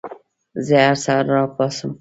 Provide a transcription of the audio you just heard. زه هر سهار راپاڅم.